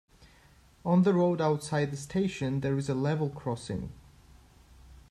On the road outside the station, there is a level crossing.